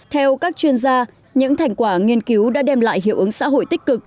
theo các chuyên gia những thành quả nghiên cứu đã đem lại hiệu ứng xã hội tích cực